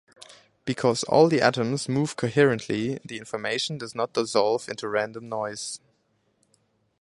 Because all the atoms move coherently, the information does not dissolve into random noise.